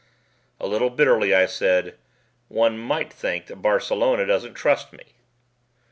A little bitterly I said, "One might think that Barcelona doesn't trust me."